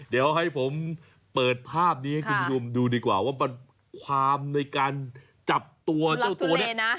เดี๋ยวให้ผมเปิดภาพนี้ให้คุณผู้ชมดูดีกว่าว่าความในการจับตัวเจ้าตัวนี้นะ